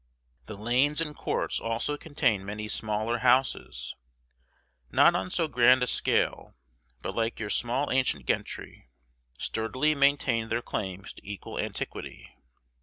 The lanes and courts also contain many smaller houses, not on so grand a scale, but, like your small ancient gentry, sturdily maintaining their claims to equal antiquity.